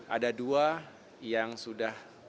ada dua yang sudah